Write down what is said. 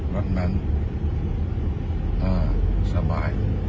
รถแม่นอ่าสบาย